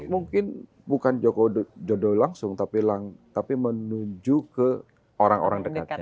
mungkin bukan jokowi jodoh langsung tapi menuju ke orang orang dekatnya